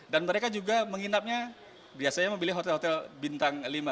dan mereka juga menginapnya biasanya memilih hotel hotel bintang lima